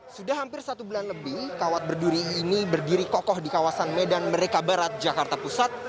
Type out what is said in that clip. sudah hampir satu bulan lebih kawat berduri ini berdiri kokoh di kawasan medan merdeka barat jakarta pusat